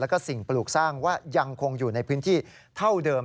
แล้วก็สิ่งปลูกสร้างว่ายังคงอยู่ในพื้นที่เท่าเดิม